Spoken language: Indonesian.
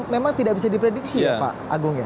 memang tidak bisa diprediksi ya pak agung ya